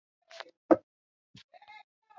Tuambie ukweli